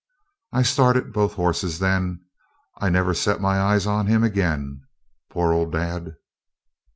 I started both horses then. I never set eyes on him again. Poor old dad!